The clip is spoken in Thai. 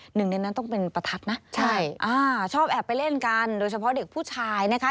หนึ่งในนั้นต้องเป็นประทัดนะใช่อ่าชอบแอบไปเล่นกันโดยเฉพาะเด็กผู้ชายนะคะ